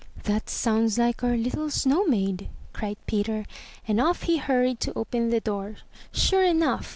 'That sounds like our little snow maid!'' cried Peter, and off he hurried to open the door. Sure enough